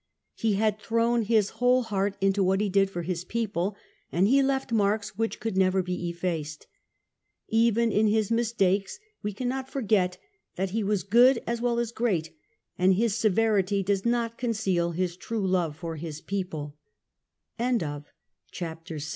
He had thrown his whole heart into what he did for his people, and he left marks which could never be effaced. Even in his mistakes we cannot forget that he was good as well as great, and his severity does not conceal his true love for his peopl